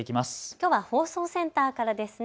きょうは放送センターからですね。